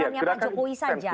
yang menjokowi saja